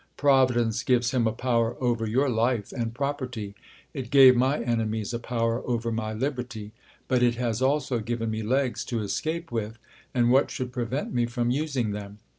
Providence c;ives Inm a power over your life and propertv; it gave my enemies a power over my liberty. But it has alf;o given me legs to escape with ; and what should prevent me from using them